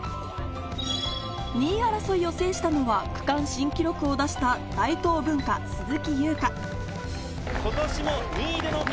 ２位争いを制したのは、区間新記録を出した大東文化・鈴木優花。